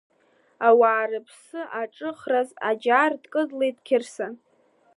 Ауаа рыԥсы аҿыхраз, аџьар дкыдлеит Қьырса.